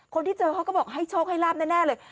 คนที่เจอเขาก็บอกให้โชคให้ลาบแน่เลย